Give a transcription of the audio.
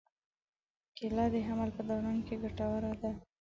کېله د حمل په دوران کې ګټوره ده.